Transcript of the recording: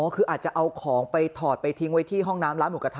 คืออาจจะเอาของไปถอดไปทิ้งไว้ที่ห้องน้ำร้านหมูกระท